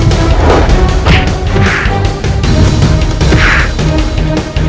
jangan mencari mati